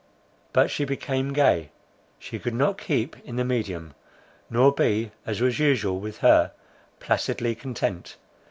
But she became gay. She could not keep in the medium, nor be, as was usual with her, placidly content.